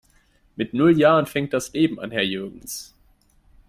Mit null Jahren fängt das Leben an, Herr Jürgens!